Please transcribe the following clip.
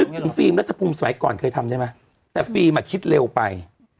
นึกถึงฟรีมรัตบุสมัยก่อนเคยทำใช่ไหมแต่ฟรีมคิดเร็วไป